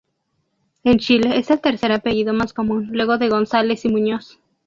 En Chile es el tercer apellido más común, luego de González y Muñoz